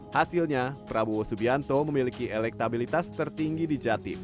hasilnya prabowo subianto memiliki elektabilitas tertinggi di jatim